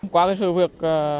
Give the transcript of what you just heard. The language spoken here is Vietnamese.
qua cái sự việc